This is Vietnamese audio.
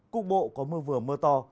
cục bộ có mưa vừa mưa to